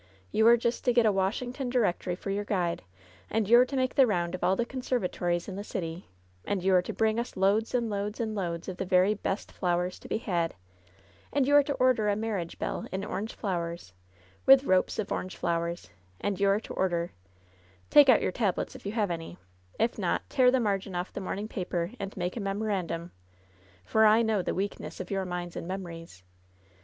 You are just to get a Washington directory for your guide, and you are to make the round of all the conservatories in the city, and you are to bring us loads and loads and loads of the very best flowers to be had, and you are to order a marriage bell in orange flowers, with ropes of orange flowers, and you are to or der Take out your tablets, if you have any ; if not, tear the margin off the morning paper, and make a memorandum, for I know the wealmess of your minds and memories.